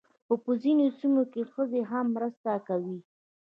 خو په ځینو سیمو کې ښځې هم مرسته کوي.